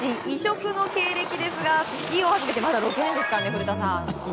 異色の経歴ですがスキーを始めてまだ６年ですからね、古田さん。